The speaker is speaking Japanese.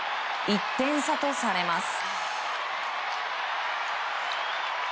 １点差とされます。